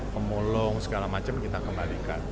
pemulung segala macam kita kembalikan